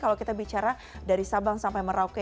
kalau kita bicara dari sabang sampai merauke